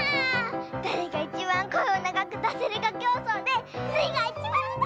だれがいちばんこえをながくだせるかきょうそうでスイがいちばんだ！